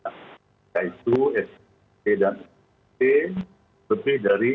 nah itu sp dan sp lebih dari lima ratus